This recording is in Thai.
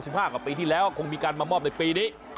ห้ากว่าปีที่แล้วคงมีการมามอบในปีนี้